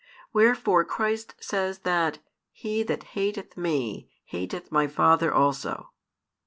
Wherefore Christ says that he that hateth Me, hateth My Father also.